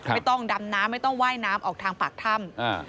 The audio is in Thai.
ไม่ต้องดำน้ำไม่ต้องว่ายน้ำออกทางปากถ้ำ